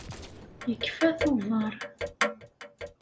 Yekfa tubeṛ.